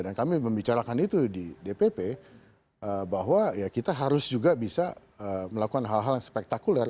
dan kami membicarakan itu di dpp bahwa ya kita harus juga bisa melakukan hal hal yang spektakuler